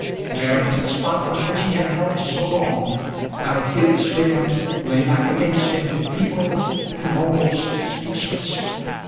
There was the spot on which he had knelt so long, while Felix Graham lay back against him, feeble and almost speechless.